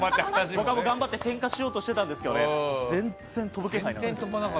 僕も頑張って点火しようとしてたんですけど全然飛ぶ気配がなくて。